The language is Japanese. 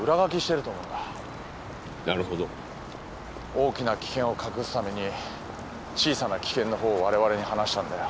大きな危険を隠すために小さな危険の方をわれわれに話したんだよ。